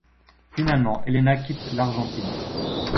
Finalement, Elena quitte l'Argentine.